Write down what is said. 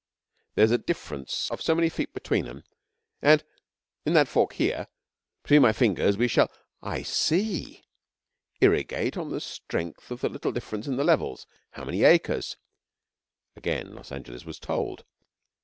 There's a difference of so many feet between 'em, an' in that fork here, 'tween my fingers, we shall ' 'I see. Irrigate on the strength of the little difference in the levels. How many acres?' Again Los Angeles was told.